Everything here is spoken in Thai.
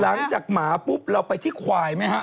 หลังจากหมาปุ๊บเราไปที่ควายไหมฮะ